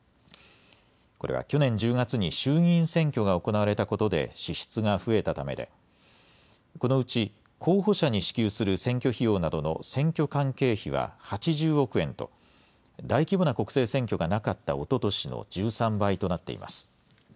これは去年１０月に衆議院選挙が行われたことで支出が増えたためで、このうち候補者に支給する選挙費用などの選挙関係費は８０億円と、大規模な国政選挙がなかったおととしの１３倍となっています。